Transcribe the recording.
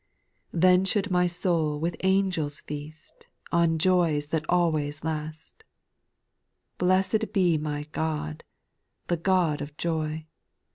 9. Then should my soul with angels feast. On joys that always last ; Bless'd be my God, the God of joy.